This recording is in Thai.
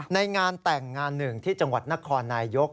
ในงานแต่งงานหนึ่งที่จังหวัดนครนายยก